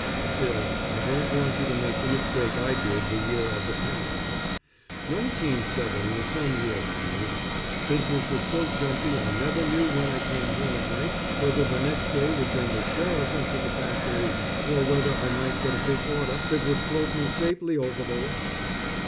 Still I don't want you to make the mistake I did the year of the panic. Nineteen seven was some year for me. Business was so jumpy I never knew when I came home at night whether the next day would bring the sheriff into the factory, or whether I might get a big order that would float me safely over the rocks.